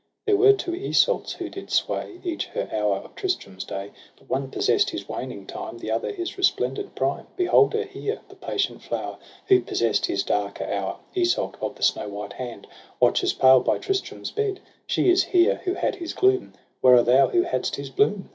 — There were two Iseults who did sway Each her hour of Tristram's day j But one possess'd his waning time, The other his resplendent prime. Behold her here, the patient flower. Who possess'd his darker hour ! Iseult of the Snow White Hand VOL. I. o 194 TRISTRAM AND ISEULT. Watches pale by Tristram's bed. She is here who had his gloom, Where are thou who hadst his bloom?